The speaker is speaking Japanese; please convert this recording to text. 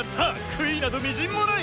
悔いなどみじんもない。